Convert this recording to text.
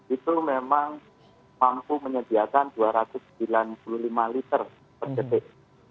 itu memang mampu menyediakan dua ratus sembilan puluh lima liter per detik